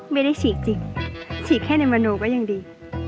ไม่ได้ฉีกจริงฉีกแค่ในมโนก็ยังดี